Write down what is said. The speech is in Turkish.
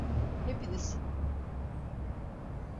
Hepiniz!